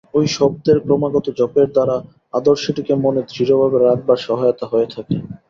ঐ শব্দের ক্রমাগত জপের দ্বারা আদর্শটিকে মনে দৃঢ়ভাবে রাখবার সহায়তা হয়ে থাকে।